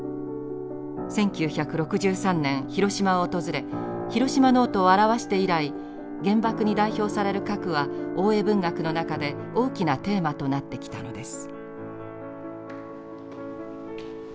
１９６３年広島を訪れ「ヒロシマ・ノート」を著して以来原爆に代表される核は大江文学の中で大きなテーマとなってきたのです。